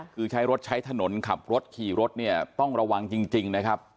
คือใช้รถใช้ถนนขับรถขี่รถเนี่ยต้องระวังจริงนะครับ